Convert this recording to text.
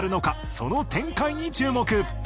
その展開に注目。